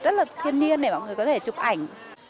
rất là thiên nhiên để mọi người có thể chụp ảnh